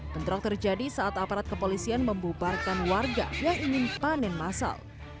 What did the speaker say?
bentrok terjadi saat aparat kepolisian membubarkan warga yang ingin panen masal